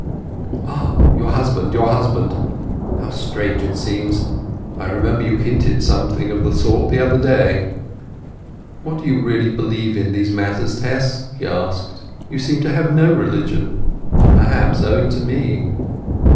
"Ah—your husband—your husband! How strange it seems! I remember you hinted something of the sort the other day. What do you really believe in these matters, Tess?" he asked. "You seem to have no religion—perhaps owing to me."